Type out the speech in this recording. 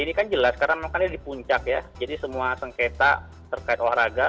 ini kan jelas karena memang kan ini di puncak ya jadi semua sengketa terkait olahraga